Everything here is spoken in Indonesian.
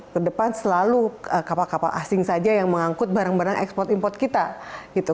ke depan selalu kapal kapal asing saja yang mengangkut barang barang ekspor import kita